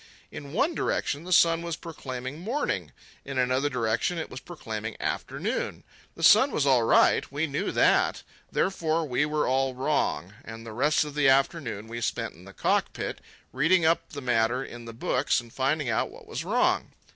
In one direction the sun was proclaiming morning, in another direction it was proclaiming afternoon. The sun was all right—we knew that; therefore we were all wrong. And the rest of the afternoon we spent in the cockpit reading up the matter in the books and finding out what was wrong.